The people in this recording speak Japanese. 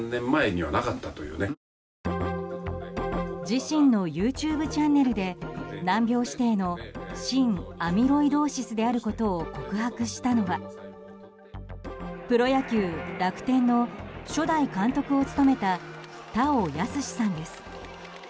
自身のＹｏｕＴｕｂｅチャンネルで難病指定の心アミロイドーシスであることを告白したのはプロ野球、楽天の初代監督を務めた田尾安志さんです。